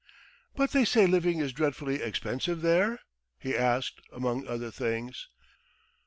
"But they say living is dreadfully expensive there?" he asked, among other things.